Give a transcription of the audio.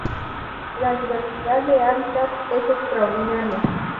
La diversidad de hábitats es extraordinaria.